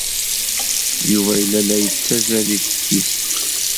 Yuba yella la yettazzal deg teftist.